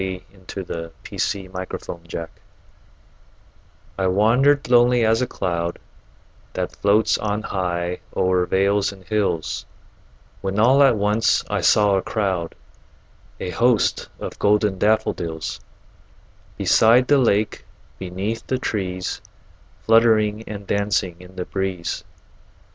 William Wordsworth I Wandered Lonely As a Cloud I WANDERED lonely as a cloud That floats on high o'er vales and hills, When all at once I saw a crowd, A host, of golden daffodils; Beside the lake, beneath the trees, Fluttering and dancing in the breeze.